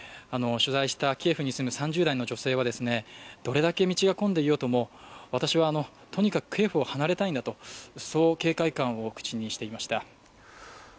取材したキエフに住む３０代の女性はどれだけ道が混んでいようとも、私はとにかくキエフを離れたいんだとそう警戒感を口にしていました。